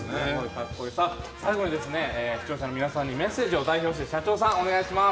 最後にですね、視聴者の皆さんにメッセージを代表して社長さん、お願いします。